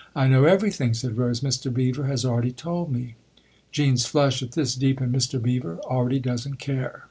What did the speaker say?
" I know everything," said Rose. " Mr. Beever has already told me." Jean's flush, at this, deepened. " Mr. Beever already doesn't care